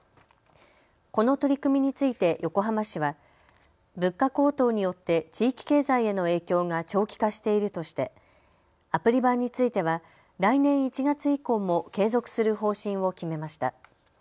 この取り組みについて横浜市は物価高騰によって地域経済への影響が長期化しているとしてアプリ版については来年１月以降も継続する方針を決めました。